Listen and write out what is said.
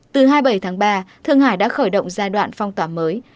từ hai mươi bảy tháng ba thượng hải đã khởi động giai đoạn phong tỏa mới